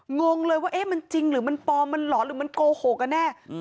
งงเลยว่ามันจริงหรือมันปลอมหรือมันกโหหกนะเนี่ย